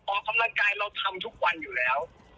ออกกำลังกายเราทำทุกวันอยู่แล้ว